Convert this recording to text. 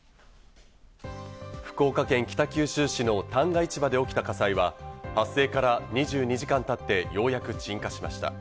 福岡県北九州市の旦過市場で起きた火災は発生から２２時間たってようやく鎮火しました。